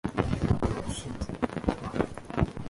我是猪鼻吧